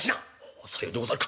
「おさようでござるか。